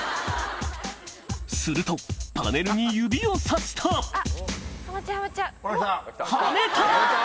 するとパネルに指をさしたハメた！